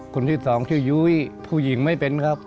คนที่สองชื่อยุ้ยผู้หญิงไม่เป็นครับ